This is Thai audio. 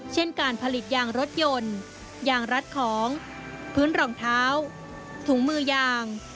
เช่นการผลิตยางรถยนต์ยางรัดของพื้นรองเท้าถุงมือยาง